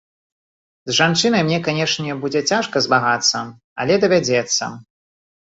З жанчынай мне, канешне, будзе цяжка змагацца, але давядзецца.